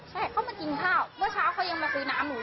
ใช่เขามากินข้าวเมื่อเช้าเขายังมาซื้อน้ำหนู